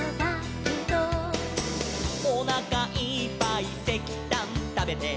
「」「おなかいっぱいせきたんたべて」